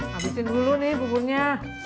habisin dulu nih bukunya